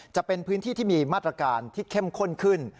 จะเป็นพื้นที่ที่มีมาตรการที่เข้มข้นขึ้น